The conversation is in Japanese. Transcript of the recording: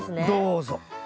どうぞ。